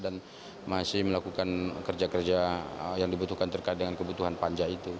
dan masih melakukan kerja kerja yang dibutuhkan terkait dengan kebutuhan panja itu